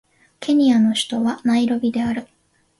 ケニアの首都はナイロビである